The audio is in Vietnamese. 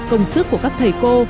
công sức của các thầy cô